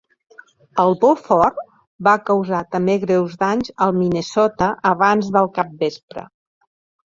El "Beaufort" va causar també greus danys al "Minnesota" abans del capvespre.